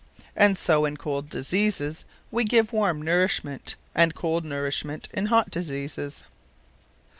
And so in cold diseases, we give warme nourishment; and cold nourishment, in hot diseases.